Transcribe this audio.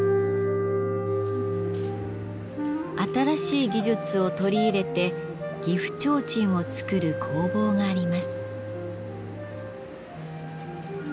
新しい技術を取り入れて岐阜提灯を作る工房があります。